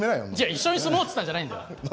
一緒に住もうっつったんじゃないんだよ。